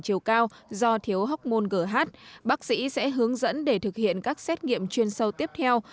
chiều cao do thiếu hóc môn gh bác sĩ sẽ hướng dẫn để thực hiện các xét nghiệm chuyên sâu tiếp theo